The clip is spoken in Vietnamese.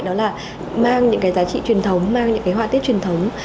đó là mang những giá trị truyền thống mang những họa tiết truyền thống